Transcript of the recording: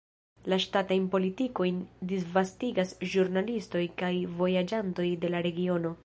La ŝtatajn politikojn disvastigas ĵurnalistoj kaj vojaĝantoj de la regiono.